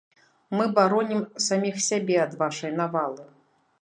Мы баронім саміх сябе ад вашай навалы.